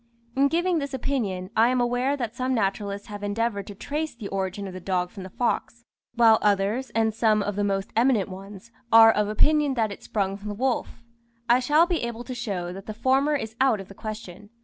In giving this opinion, I am aware that some naturalists have endeavoured to trace the origin of the dog from the fox; while others, and some of the most eminent ones, are of opinion that it sprung from the wolf. I shall be able to show that the former is out of the question.